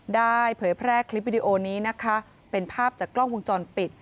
เผยแพร่คลิปวิดีโอนี้นะคะเป็นภาพจากกล้องวงจรปิด